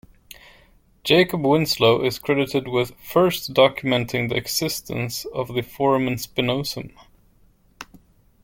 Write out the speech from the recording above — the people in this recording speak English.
Jacob Winslow is credited with first documenting the existence of the foramen spinosum.